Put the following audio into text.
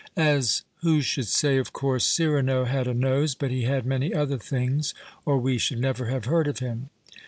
As who should say, of course Cyrano had a nose, but he had many other things, or we should never have heard of him.